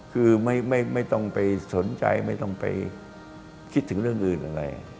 คือไม่ต้องไปสนใจไม่ต้องไปคิดถึงเรื่องอื่นอะไร